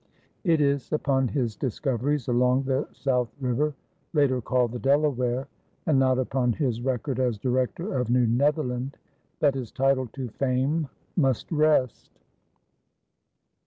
It is upon his discoveries along the South River, later called the Delaware, and not upon his record as Director of New Netherland, that his title to fame must rest.